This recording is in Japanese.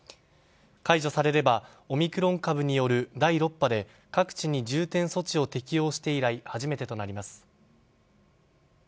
解除されればオミクロン株による第６波で各地に重点措置を適用して以来初めてとなります。